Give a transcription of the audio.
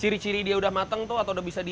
ciri ciri dia sudah matang atau sudah bisa di